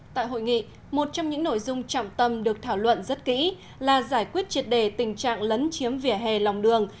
tại hội nghị một trong những nội dung trọng tâm được thảo luận rất kỹ là giải quyết triệt đề tình trạng lấn chiếm vỉa hè lòng đường